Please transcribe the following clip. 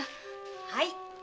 はい！